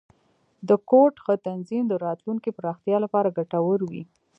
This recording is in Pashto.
د کوډ ښه تنظیم، د راتلونکي پراختیا لپاره ګټور وي.